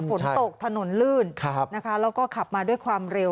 ฝนตกถนนลื่นแล้วก็ขับมาด้วยความเร็ว